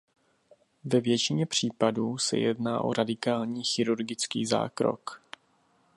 Ve většině případů se jedná o radikální chirurgický zákrok.